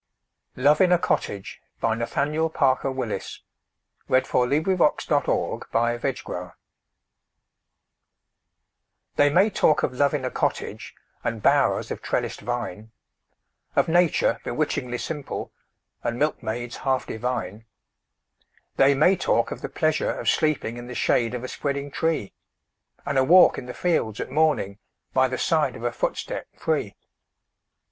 Him Have praises for the well completed year. Nathaniel Parker Willis Love in a Cottage THEY may talk of love in a cottage And bowers of trellised vine Of nature bewitchingly simple, And milkmaids half divine; They may talk of the pleasure of sleeping In the shade of a spreading tree, And a walk in the fields at morning, By the side of a footstep free!